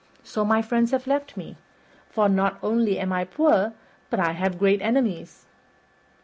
So my friends have left me; for not only am I poor but I have great enemies."